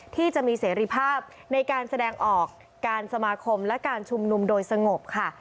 ที่จะมีเสรีภาพในการแสดงออกการสมาคมและการชุมนุมโดยสงบค่ะ